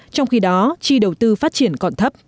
trong khi đó chi đầu tư phát triển còn thấp